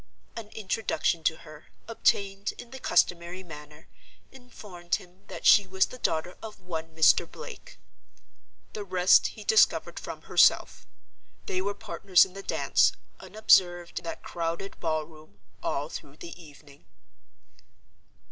An introduction to her, obtained in the customary manner, informed him that she was the daughter of one Mr. Blake. The rest he discovered from herself. They were partners in the dance (unobserved in that crowded ball room) all through the evening.